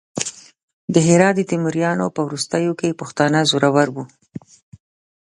د هرات د تیموریانو په وروستیو کې پښتانه زورور وو.